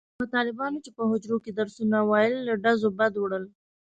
هغه طالبانو چې په حجره کې درسونه ویل له ډزو بد وړل.